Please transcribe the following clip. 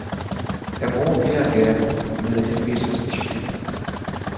É bom ouvir a guerra, mas é difícil assistir.